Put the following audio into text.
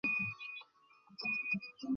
জানার আগ্রহ থেকেই জিজ্ঞাসা করছি।